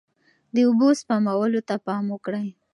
د اوبو سپمولو ته پام وکړئ.